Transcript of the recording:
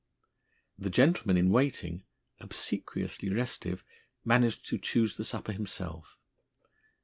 The gentleman in waiting, obsequiously restive, managed to choose the supper himself.